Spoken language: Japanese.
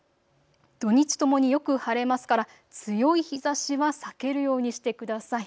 土日ともによく晴れますから、強い日ざしは避けるようにしてください。